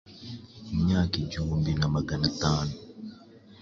imyaka igihumbi na magana tanu